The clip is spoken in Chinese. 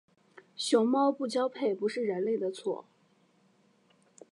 熊猫不交配不是人类的错。